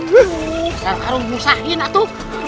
bisa taruh nusahin atu